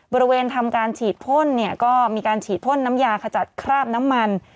บริเวณทำการฉีดพ่นเนี่ยก็มีการฉีดพ่นน้ำยาขจัดคราบน้ำมัน